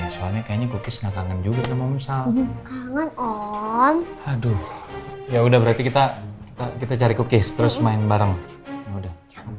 soalnya kayaknya kukis gak kangen juga sama omsal kangen ong ya udah berarti kita kita cari kukis terus main bareng yaudah